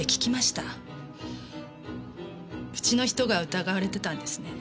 うちの人が疑われてたんですね。